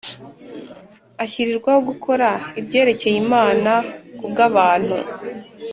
ashyirirwaho gukora ibyerekeye Imana ku bw abantu